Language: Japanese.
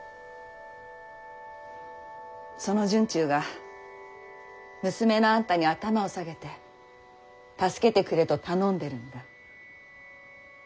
その惇忠が娘のあんたに頭を下げて助けてくれと頼んでるんだ。